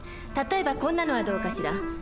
例えばこんなのはどうかしら。